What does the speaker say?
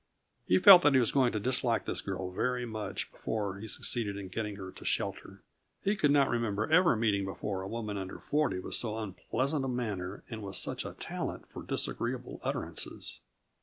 He felt that he was going to dislike this girl very much before he succeeded in getting her to shelter. He could not remember ever meeting before a woman under forty with so unpleasant a manner and with such a talent for disagreeable utterances.